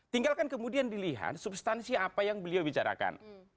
tinggalkan kemudian dilihat substansi apa yang beliau bicarakan